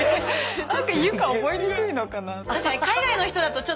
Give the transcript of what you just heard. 何か「佑果」覚えにくいのかなとか。